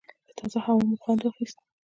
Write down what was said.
له تازه هوا مو خوند واخیست.